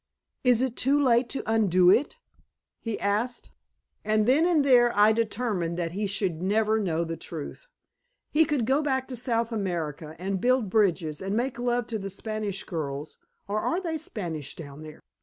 "Is it too late to undo it?" he asked. And then and there I determined that he should never know the truth. He could go back to South America and build bridges and make love to the Spanish girls (or are they Spanish down there?)